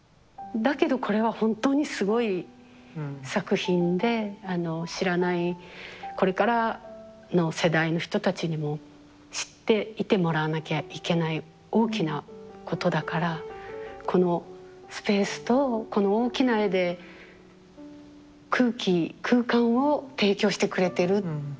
だけどこれは本当にすごい作品であの知らないこれからの世代の人たちにも知っていてもらわなきゃいけない大きなことだからこのスペースとこの大きな絵で空気空間を提供してくれてるっていうんでしょうかね。